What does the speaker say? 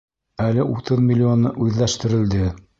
Әле утыҙ миллионы үҙләштерелде.